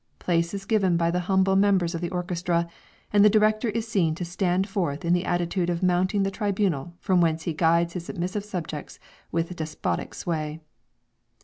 Place is given by the humble members of the orchestra, and the director is seen to stand forth in the attitude of mounting the tribunal from whence he guides his submissive subjects with despotic sway.